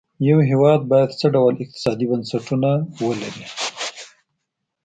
یو هېواد باید څه ډول اقتصادي بنسټونه ولري.